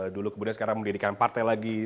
dan dulu sekarang mendirikan partai lagi